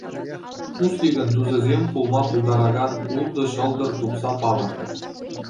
Тусликӑн тусӗсем пулма пултаракан ултӑ ҫӑлтӑр тупса палӑртрӗ.